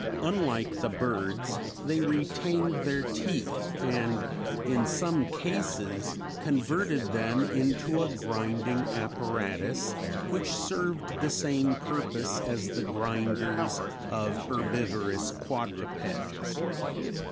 Unlike the birds, they retained their teeth and in some cases converted them into a grinding apparatus which served the same purpose as the grinders of herbivorous quadrupeds.